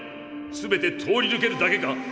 すべて通りぬけるだけか？